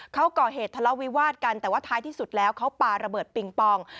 เขาก่อเหตุทะเลาะวิวาดกันแต่ว่าท้ายที่สุดแล้วเขาปาระเบิดปิงปอง